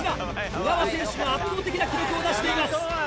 小川選手が圧倒的な記録を出しています。